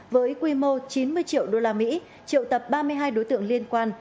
với quy mô chín mươi triệu usd triệu tập ba mươi hai đối tượng liên quan